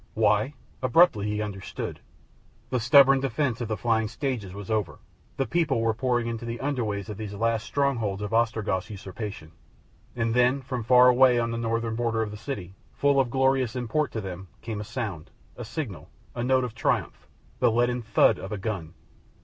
Why? Abruptly he understood. The stubborn defence of the flying stages was over, the people were pouring into the under ways of these last strongholds of Ostrog's usurpation. And then, from far away on the northern border of the city, full of glorious import to him, came a sound, a signal, a note of triumph, the leaden thud of a gun.